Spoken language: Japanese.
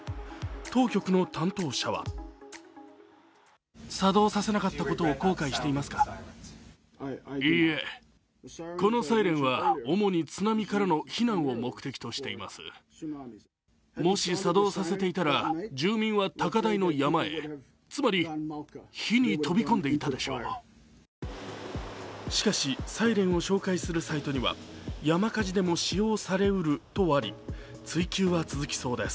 当局の担当者はしかし、サイレンを紹介するサイトには山火事でも使用されうるとあり追求は続きそうです。